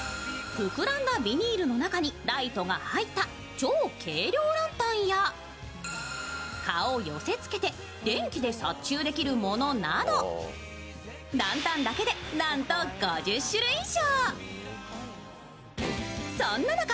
膨らんだビニールの中にライトが入った超軽量ランタンやかを寄せつけて電気で殺虫できるものなど、ランタンだけで、なんと５０種類以上。